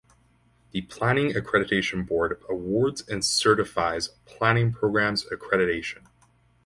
The Planning Accreditation Board awards and certifies planning programs accreditation.